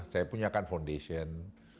saya punya kan foundation